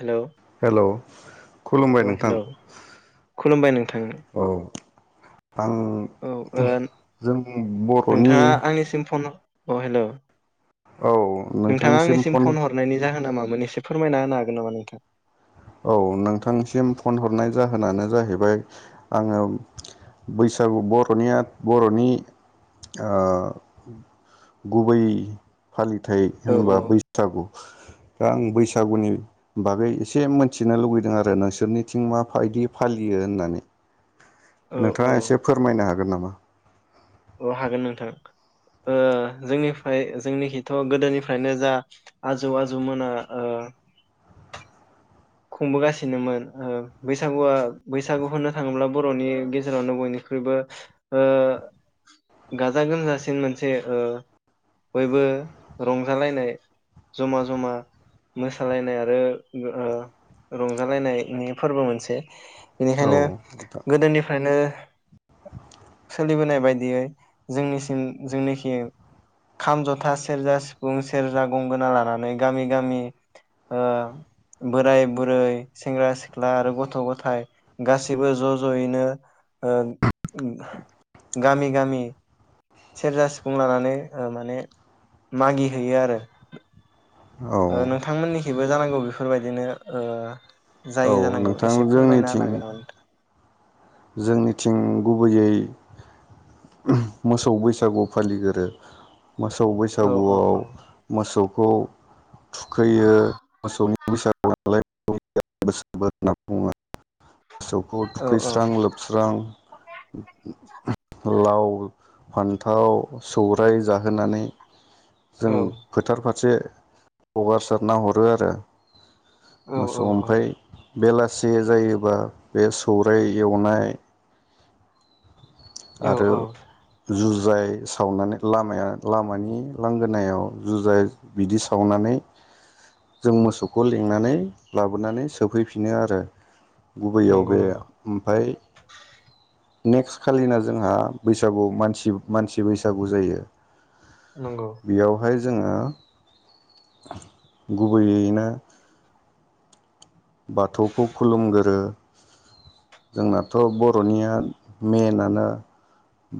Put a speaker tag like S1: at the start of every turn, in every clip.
S1: Hello
S2: hello खुलुमबाय
S1: अ
S2: नोंथां
S1: हेलौ खुलुमबाय नोंथां
S2: औ। आं
S1: औ ओ
S2: जों बर'नि
S1: नोंथाङा आंनिसिम फन अ हेलौ
S2: औ नोंथांनिसिम फन
S1: मोननैसे फोरमायना होनो हागोन नामा नोंथां।
S2: औ नोंथांसिम फन हरनाय जाहोनानो जाहैबाय आङो बैसागु बर'निया बर'नि ओ गुबै फालिथाय
S1: औ
S2: होनबा
S1: औ
S2: बैसागु दा आं बैसागुनि बागै एसे मोन मिथिनो लुबैदों आरो नोंसोरनिथिं माफायदि फालियो होननानै।
S1: औ औ
S2: नोंथाङा एसे फोरमायनो हागोन नामा?
S1: अ हागोन नोंथां। ओ जोंनिफ्राय जोंनिखिथ' गोदोनिफ्रायनो जा आजौ आजौमोना ओ खुंबोगासिनोमोन ओ बैसागुआ बैसागु होननो थाङोब्ला बर'नि गेजेरावनो बयनिख्रुइबो ओ गाजा गोमजासिन मोनसे ओ बयबो रंजालायनाय जमा जमा मोसालायनाय आरो ओ रंजालायनायनि फोरबो मोनसे।
S2: औ
S1: बेनिखायनो
S2: नोंथां
S1: गोदोनिफ्रायनो सोलिबोनाय बायद सेयै जोंनिसिम जोंनिखि खाम जथा सेरजा सिफुं सेरजा गंगोना लानानै गामि गामि ओ बोराय बुरै सेंग्रा सिख्ला आरो गथ' गथाय गासैबो ज' ज'यैनो ओ गामि गामि सेरजा सिफुं लानानै माने मागि हैैयो आरो।
S2: औ
S1: ओ नोंथांमोननिखिबो जानांगौ बेफ बेफोरबायदिनो ओ
S2: औ
S1: जायो जानांगौ
S2: नोंथां
S1: एसे फोरमायना
S2: जोंनिथिं
S1: होनो हागोन नामा नोथां?
S2: जोंनिथिं गुबैयै मोसौ बैसागु फालिगोरो मोसौ
S1: औ औ
S2: बैसागुआव
S1: औ
S2: मोसौ खौ थुखैयो मोसौनि बैसागु [unintelligible] मोसौखौ
S1: औ औ
S2: थुखैस्रां लोबस्रां लाव फान्थाव सौराय जाहोनानै जों फोथारफोर से हगारसारना हरो आरो। मोसौ
S1: औ
S2: ओमफ्राय बेलासि जायोबा बे सौराय एवनाय
S1: औ
S2: आरो
S1: औ
S2: जु जाइ सावनानै लामाया लामानि लांगोनायाव जुजाय बिदि सावनानै जों मोसौखौ लिंनानै लाबोनानै सोफैफिनो आरो गुबैयाव
S1: नंगौ
S2: बे
S1: नंगौ
S2: ओमफाय नेक्स्ट खालिना जोंहा बैसागु मानसि मानसि बैसागु जायो
S1: नंगौ
S2: बेयावहाय जोङो गुबैयैनो बाथौखौ खुलुमगोरो जोंनाथ' बर'निया मइेनआनो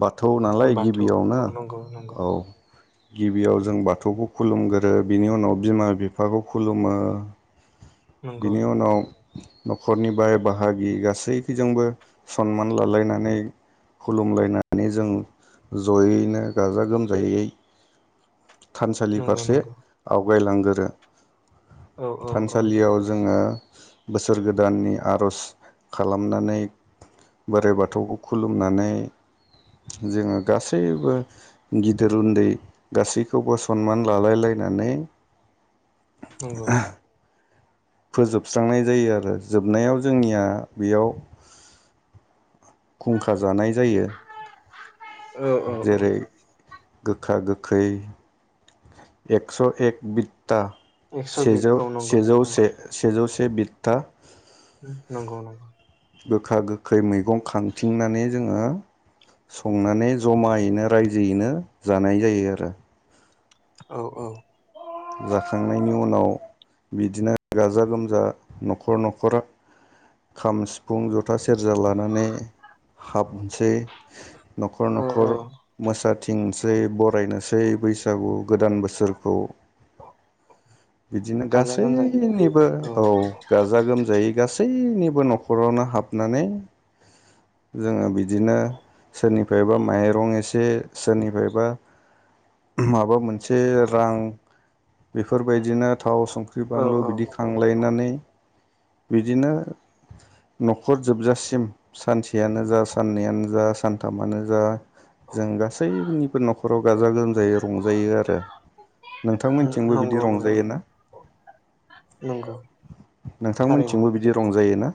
S2: बाथौ नालाय
S1: बाथौ
S2: गिबियावनो
S1: औ नंगौ नंगौ
S2: औ गिबियाव जों बाथौखौ खुलुमग्रो बिनि उनाव बिमा बिफाखौ खुलुमो
S1: नंगौ
S2: बिनि उनाव न'खरनि बाय बाहागि गासैखजोंबो सनमान लालायनानै खुलुमलायनानै जों जयैनो गाजा गोमजायै थानसालि
S1: नंगौ
S2: फारसे
S1: नंगौ
S2: आव आवगायलांगोरो
S1: औ औ औ
S2: याव बोसोर गोदाननि आर'ज खालामनानै बोराइ बाथौखौ खुलुमनानै जोङो गासैबो गिदिर उन्दै गासैखौबो सनमान लालायलायनानै
S1: नंगौ
S2: फोजोबस्रांनाय जायो आरो जोबनायाव जोंनिया बेयाव खुंखा जानाय जायो
S1: औ
S2: जेरै
S1: औ औ
S2: गोखा गोखै एक्स एक बि था
S1: एकस' बिद
S2: सेजौ
S1: औ नंगौ
S2: सेजौ से सेजौ से बिथ्ता
S1: ओं नंगौ नंगौ
S2: गोखा गोखै मै गं खांथिंनानै जोङो संनानै जमायैनो रायजोयैनो जानाय जायो आरो
S1: औ औ
S2: जाखांनायनि उनाव बिदिनो गाजा गोमजा नखर नखरा खाम सिफुं जथा सेरजा लानानै हाबनोसै नखर
S1: औ औ
S2: नखर मोसाथिंसै बरायनोसै बैसागु गोदान बोसोरखौ बिदिनो
S1: गाजा गोमजायै फरायो
S2: गासैनिबो औ गाजा गोमजायै गासैनिबो नखरावनो हाबनानै जोङो बिदिनो सोरनिफ्रायबा माइरं एसे सोरनिफ्रायबा माबा मोनसे रां बेफोरबायदिनो थाव संख्रि
S1: औ
S2: बानलु
S1: औ
S2: बिदि खांलायनानै बिदिनो न'खर जोबजासिम सानसेयानो जा साननैयानो जा सानथामानो जा जों गासैनिबो न'खराव गाजा गोमजायै रंजायो आरो। थिंबो बिदि
S1: नंगौ नंगौ
S2: रंजायोना
S1: नंगौ थारैनो
S2: नोंथांमोनथिंबो बिदि रंजायोना?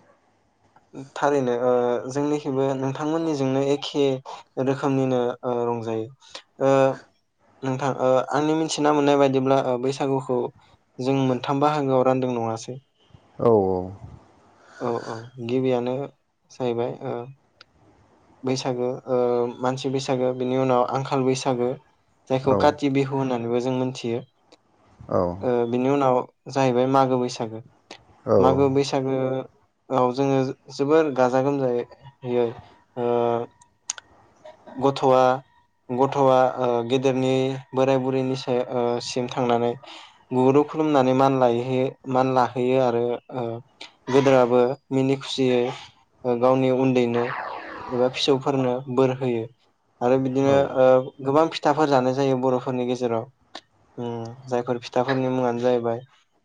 S1: थारैनो ओ जोंनिखिबो नोंथांमोननिजोंनो एखे रोखोमनिनो ओ रंजायो ओ नोंथां ओ आंनि मिथिना मोननाय बायदिब्ला ओ बैसागुखौ जों मोनथाम बाहागोआव रानदों नङासै?
S2: औ औ।
S1: औ औ गिबियानो जाहैबाय ओ बैसागो ओ मानसि बैसागो बिनि उनाव आंखाल बैसागो। जायखौ
S2: औ
S1: काति बिहु होनना नैबो जों मोनथियो।
S2: औ
S1: ओ बिनि उनाव जाहैबाय मागो बैसागो।
S2: औ
S1: मागो बैसागो औ जोङो जोबोर गाजा गोमजायै ओ गथ'आ गथ'आ ओ गेदेरनि बोराय बुरैनि साय ओ सिम थांनानै गुगुरु खुलुमनानै मान लायहोयै मान लाहैयो आरो ओ गोदोराबो मिनि खुसियै ओ गावनि उन्दैनो एबा फिसौफोरनो बोर होयो। आरो बिदिनो
S2: औ
S1: ओ गोबां फि थाफोर जानाय जायो बर'फोरनि गेजेराव उम जायफोर फिथाफोरनि मुङानो जाहैबाय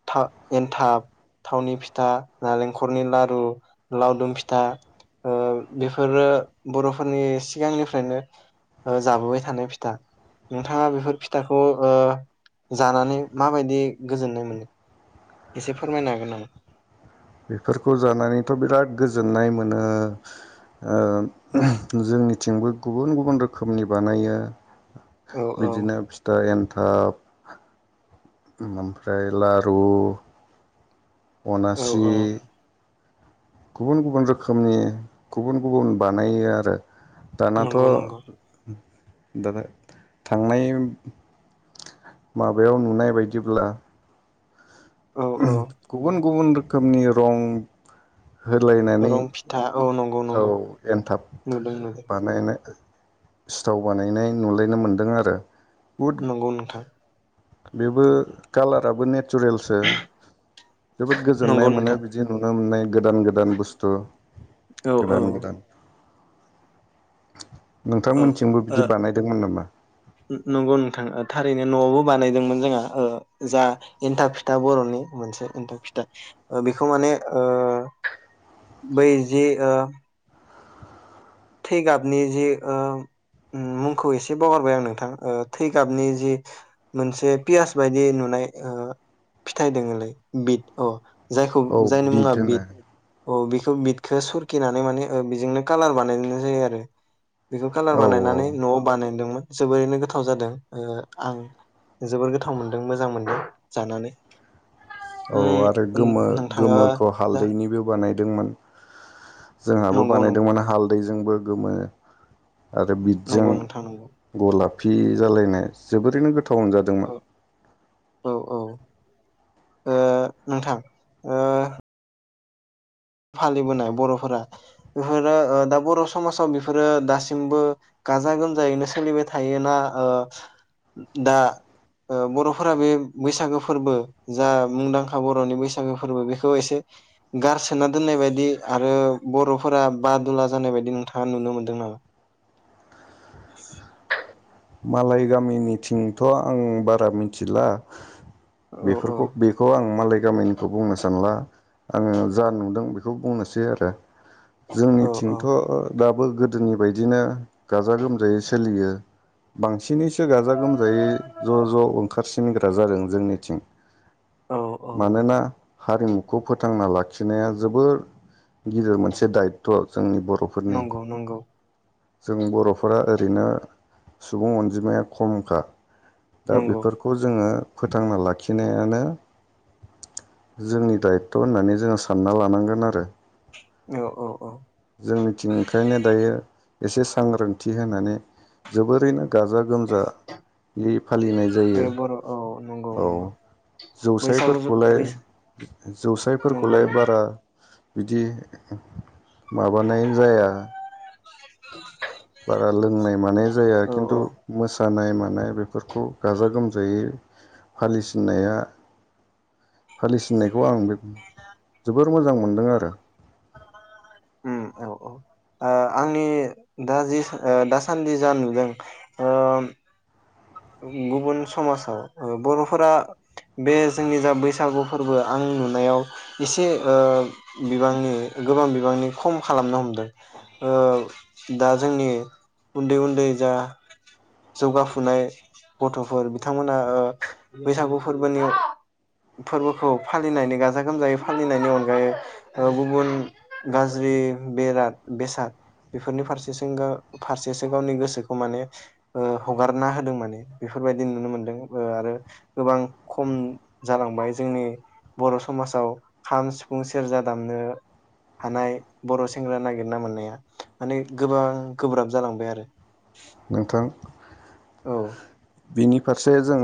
S1: था एनथाब, थावनि फिथा, नालेंखरनि लारु, लावदुम फिथा ओ बेफोरो बर'फ फोरनि सिगांनिफ्रायनो ओ जाबोबाय थानाय फिथा नोंथाङा बेफोर फिथाखौ ओ जानानै माबायदि गोजोननाय मोनो? एसे फोरमायनो हागोन नामा?
S2: बेफोरखौ जानानैथ' बिराद गोजोननाय मोनो ओ जोंनिथिंबो गुबुन गुबुन रोखोमनि बानायो।
S1: औ औ
S2: बिदिनो फिथा एन थाब ओमफ्राय लारु
S1: औ
S2: अनासि
S1: औ
S2: गुबुन गुबुन रोखोमनि गुबुन गुबुन बानायो आरो। दानाथ'
S1: नंगौ नंगौ
S2: ' दाना थांनाय माबायाव नुनाय बायदिब्ला
S1: औ औ
S2: गुबुन गुबुन रोखोमनि रं होलायनानै
S1: रं फिथा औ नंगौ
S2: औ
S1: नंगौ
S2: एनथाब
S1: नुदों नुदों
S2: बानायनो सिथाव बानायनाय नुलायनो मोनदों आरो। बहुद
S1: नंगौ नोंथां।
S2: बेबो कालाराबो नेट चुरेलसो जोबोद
S1: नंगौ
S2: गोजोननाय मोनो
S1: नोंथां
S2: बिदि नुनो मोननाय गोदान गोदान बुस्थु
S1: औ औ।
S2: गोदान गोदान
S1: औ ओ
S2: नोंथांमोनथिंबो बिदि बानायदोंमोन नामा?
S1: ओरैनो न'आवबो बानायदोंमोन जोंहा ओ जा एन्थाब फिथा बर'नि मोनसे एन्थाब फिथा ओ बेखौ माने ओ बै जि ओ थै गाबनि जि ओ उम मुंखौ एसे बावगारबाय आं नोंथां थै गाबनि जि मोनसे पियास बायदि नुनाय ओ फिथाइ दोङोलै बिट अ जायखौ
S2: औ
S1: जायनि मुङा
S2: होनो
S1: बिद अ बिदखौ सरखिनानै माने बेजोंनो कालार बानाय जायो आरो। बेखौ खाालार
S2: औ
S1: बानायनानै न'आव बानायदोंमोन। जोबोरैनो गोथाव जादों आं जोबोर गोथाव मोनदों मोजां मोनदों जानानै
S2: औ
S1: उम
S2: आरो
S1: उम
S2: गोमो
S1: नोंथाङा
S2: गोमोखौ
S1: जा
S2: हालदैनिबो बानाय दों मोन। जोंहाबो
S1: नंगौ नंगौ
S2: बानायदोंमोनान हालदैजोंबो गोमो। आरो बिदजों
S1: नंगौ नोंथां नंगौ
S2: गलाब फि जालायनाय जोबोरैनो गो
S1: औ औ औ। ओ नोंथां ओ फालिबोनाय बर'फोरा बेफोरो दा बर' समाजाव बेफोरो दासिमबो गाजा गोमजायैनो सोलिबाय थायोना दा बर'फोरा बे बैसागो फोरबो जा मुंदांखा बर'नि बैसागो फोरबो बेखौ एसे गारस सोनना दोननाय बायदि आरो बर'फोरा ब दुला जानाय बायदि नोंथाङा नुनो मोनदों नामा?
S2: मालाय गामिनिथिंथ' आं बारा मिथिला।
S1: औ औ
S2: बेफोरखौ बेखौ आं मालाय गामिनिखौ बुंनो सानला। आङो जा नुदों बेखौ बुंनोसै आरो।
S1: औ
S2: जोंनिथिंथ दा। बो गोदोनि बायदिनो गाजा गोमजायै सोलियो। बांसिनैसो गाजा गोमजायै ज ज ओंखारसिनग्रा जादों जोंनिथिं।
S1: औ औ
S2: मानोना हारिमुखौ फोथांना लाखिनाया जोबोर गिदिर मोनसे दायथ जोंनि बर'फोरनि
S1: नंगौ नंगौ
S2: जों बर'फोरा ओरैनो सुबुं अनजिमाया खमखा दा
S1: नंगौ
S2: बेफोरखौ जोङो फोथांना लाखिनायानो जोंनि दायथ होननानै जोङो सानना लानांगोन आरो।
S1: औ औ औ
S2: जों निथिं ओंखायनो दायो एसे सांग्रांथि होनानै जोबोरैनो गाजा गोमजायै फालिनाय
S1: बे
S2: जायो
S1: बर' औ नंगौ
S2: औ
S1: नंगौ बैसागु
S2: जौसायफोरखौलाय
S1: बै नंगौ
S2: जौसायफोरखौलाय
S1: नंगौ
S2: बारा बिदि माबानाय जाया बारा लोंनाय मानाय जाया
S1: औ
S2: खिन्थु
S1: औ
S2: मोसानाय मानाय बेफोरखौ गाजा गोमजायै फालिसिननाया फालिसिनायखौ आं बे जोबोर मोजां मोनदों‌ आरो।
S1: उम औ औ ओ आंनि दा जि ओ दासान्दि जा नुदों ओ गुबुन समाजाव ओ बरफोरा बे जोंनि जा बैसागु फोरबो आं नुनायाव एसे ओ बिबांनि गोबां बिबांनि खम खालामनो हमदों ओ दा जोंनि उन्दै उन्दै जा जौगाफुनाय गथफोर बिथांमोना ओ बैसागु फोरबोनि फोरबोखौ फालिनायनि गाजा गोमजायै फालिनायनि अनगायै ओ गुबुन गाज्रि बेराद बेसाद बेफोरनि फारसे सिंगा फारसेसो गावनि गोसोखौ माने ओ हगारना होदों माने बेफोरबायदि नुनो मोनदों ओ आरो गोबां खम जालांबाय जोंनि बर समाजाव खाम सिफुं सेरजा दामनो हानाय बर सेंग्रा नागिरना मोननाया माने गोबां गोब्राब जालांबाय आरो।
S2: नोंथां।
S1: औ।
S2: बिनि फारसे जों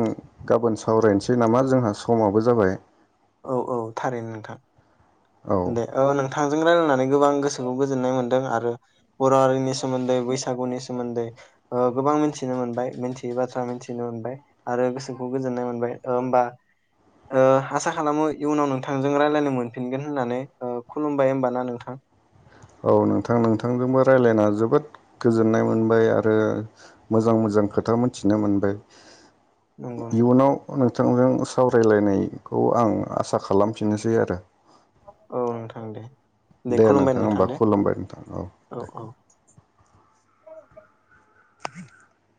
S2: गाबोन सावरायनोसै नामा जोंहा समाबो जाबाय।
S1: औ औ थारैनो नोंथां।
S2: औ
S1: दे ओ नोंथांजों रायलायनानै गोबां गोसोखौ गोजोननाय मोन्दों आरो बर'श हारिनि सोमोन्दै बैसागुनि सोमोन्दै ओ गोबां मिथिनो मोनबाय मिथियै बाथ्रा मिथिनो मोनबाय आरो गोसोखौ गोजोननाय मोनबाय होमबा ओ आसा खालामो इयुनाव नोंथांजों रायजलायनो मोनफिनगोन। होननानै खुलुमबाय होमबा ना नोंथां।
S2: औ नोंथां नोंथांजोंबो रायजलायना जोबोद गोजोननाय मोनबाय आरो मोजां मोजां खोथा मोनथिनो मोनबाय।
S1: नंगौ नोंथां
S2: इयुनाव बिथांजों सावरायलायनायखौ आं आसा खालामफिननोसै आरो।
S1: औ नोंथां दे।
S2: दे नोंथां होमबा खुलुमबाय नोंथां औ दे। [inaudible]